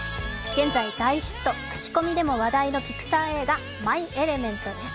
現在大ヒット、口コミでも話題のピクサー映画、「マイ・エレメント」です。